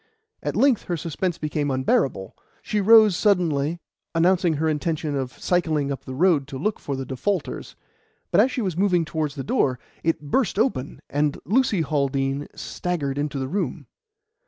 At length her suspense became unbearable; she rose suddenly, announcing her intention of cycling up the road to look for the defaulters, but as she was moving towards the door, it burst open, and Lucy Haldean staggered into the room.